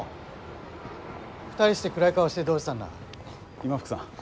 今福さん。